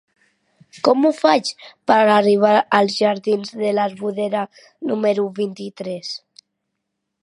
Com ho faig per anar als jardins de l'Arboreda número vint-i-tres?